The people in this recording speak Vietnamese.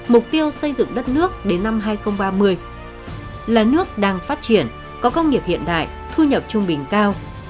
mục tiêu xây dựng đất nước đến năm hai nghìn ba mươi là nước đang phát triển có công nghiệp hiện đại thu nhập trung bình cao